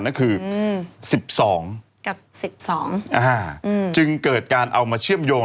นั่นคือ๑๒กับ๑๒จึงเกิดการเอามาเชื่อมโยง